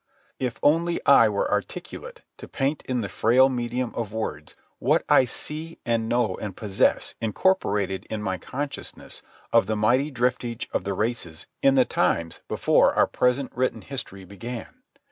If only I were articulate to paint in the frail medium of words what I see and know and possess incorporated in my consciousness of the mighty driftage of the races in the times before our present written history began!